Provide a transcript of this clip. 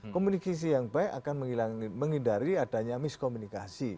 komunikasi yang baik akan menghindari adanya miskomunikasi